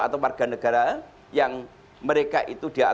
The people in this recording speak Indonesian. atau warga negara yang mereka itu dianggap